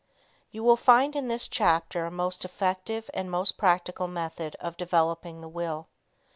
You will find in this chapter a most effective and most practical method of developing the will.